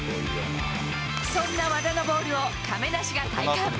そんな和田のボールを、亀梨が体感。